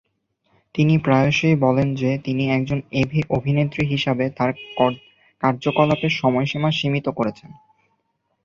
তিনি প্রায়শই বলেন যে, তিনি একজন এভি অভিনেত্রী হিসাবে তার কার্যকলাপের সময়সীমা সীমিত করছেন।